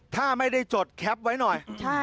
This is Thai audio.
ถ้าไม่ได้จดแคปไว้หน่อย